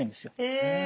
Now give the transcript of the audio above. へえ。